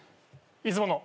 いつもの。